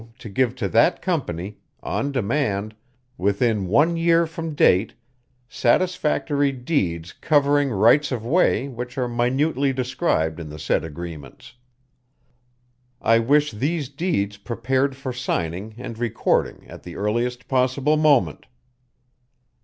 to give to that company, on demand, within one year from date, satisfactory deeds covering rights of way which are minutely described in the said agreements. I wish these deeds prepared for signing and recording at the earliest possible moment."